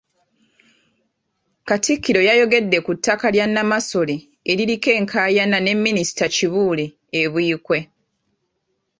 Katikkiro yayogedde ku ttaka lya Nnamasole eririko enkaayana ne Minisita Kibuule e Buikwe.